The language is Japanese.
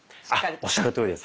おっしゃるとおりです。